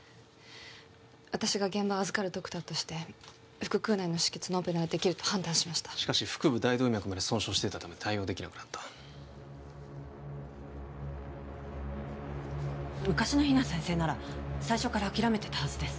私が現場を預かるドクターとして腹腔内の止血のオペならできると判断しましたしかし腹部大動脈まで損傷していたため対応できなくなった昔の比奈先生なら最初から諦めてたはずです